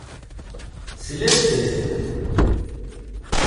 Slant-am.